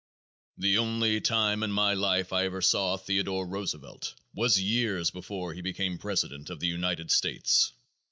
The only time in my life I ever saw Theodore Roosevelt was years before he became president of the United States.